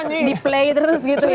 karena terus di play terus gitu ya